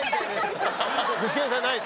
具志堅さんない。